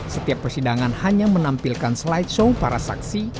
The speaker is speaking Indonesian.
setiap persidangan hanya menampilkan slideshow para saksi